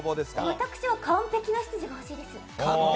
私は完璧な執事が欲しいです。